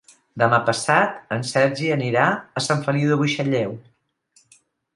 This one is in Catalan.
Demà passat en Sergi anirà a Sant Feliu de Buixalleu.